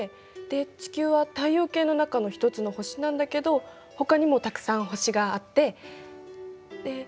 で地球は太陽系の中の一つの星なんだけどほかにもたくさん星があってで。